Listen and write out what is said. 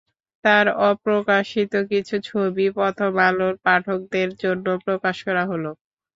তাঁর অপ্রকাশিত কিছু ছবি প্রথম আলোর পাঠকদের জন্য প্রকাশ করা হলো।